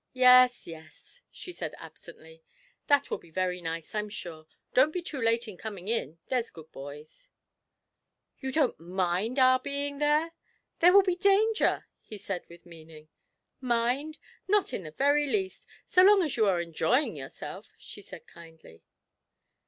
'Yes, yes,' she said absently, 'that will be very nice, I'm sure. Don't be too late in coming in, there's good boys.' 'You don't mind our being there? there will be danger!' he said with meaning. 'Mind? Not in the very least, so long as you are enjoying yourself,' she said kindly.